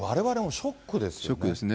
ショックですね。